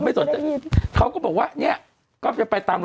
มาเห็นให้ท่านถาม